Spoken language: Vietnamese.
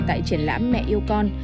tại triển lãm mẹ yêu con